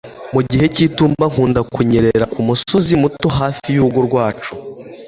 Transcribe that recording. mu gihe cy'itumba, nkunda kunyerera kumusozi muto hafi y'urugo rwacu